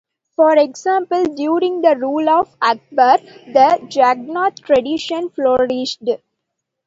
For example, during the rule of Akbar, the Jagannath tradition flourished.